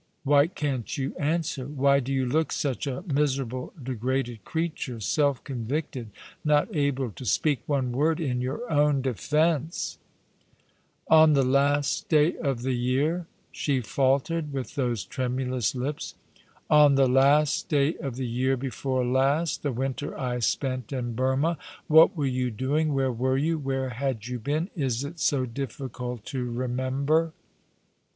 why can't you answer? Why do you look such a miserable, degraded creature — self convicted — not able to speak one word in your own defence ?"" On the last day of the year ?" she faltered, with those tremulous lips. " On the last day of the year before last — the winter I spent in Burmah. What were you doing — where were you — where had you been ? Is it so difficult to remember